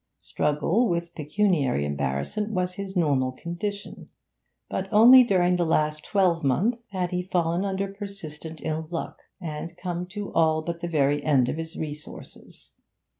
Struggle with pecuniary embarrassment was his normal condition, but only during the last twelvemonth had he fallen under persistent ill luck and come to all but the very end of his resources.